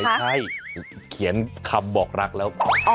ไม่ใช่เขียนคำบอกรักแล้ว